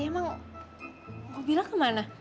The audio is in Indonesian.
mau bilang kemana